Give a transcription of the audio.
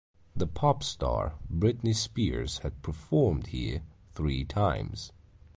The popstar Britney Spears had performed here three times.